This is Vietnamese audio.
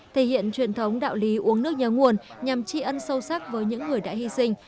thể hiện truyền thống đạo lý uống nước nhớ nguồn nhằm tri ân sâu sắc với những người đã hy sinh